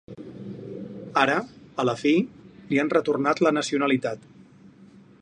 Ara, a la fi, li han retornat la nacionalitat.